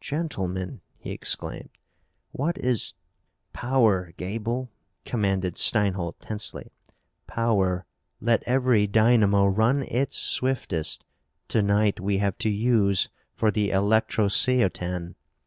"Gentlemen!" he exclaimed. "What is " "Power, Gaeble!" commanded Steinholt tensely. "Power! Let every dynamo run its swiftest. To night we have to use for the electrosceotan!"